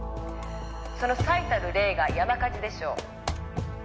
「その最たる例が山火事でしょう」